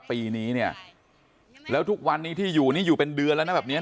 ปีนี้เนี่ยแล้วทุกวันนี้ที่อยู่นี่อยู่เป็นเดือนแล้วนะแบบนี้